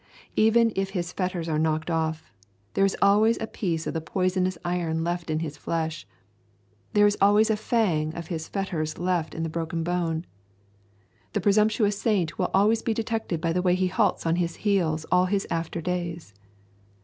Even if his fetters are knocked off, there is always a piece of the poisonous iron left in his flesh; there is always a fang of his fetters left in the broken bone. The presumptuous saint will always be detected by the way he halts on his heels all his after days.